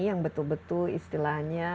yang betul betul istilahnya